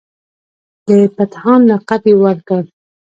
د پتهان لقب یې ورکړ.